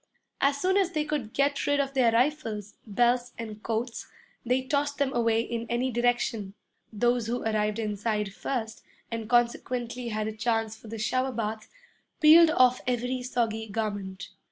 As soon as they could get rid of their rifles, belts, and coats, they tossed them away in any direction. Those who arrived inside first, and consequently had a chance for the shower bath, peeled off every soggy garment.